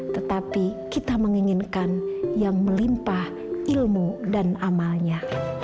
tetapi kita menginginkan yang melimpah ilmu dan amalnya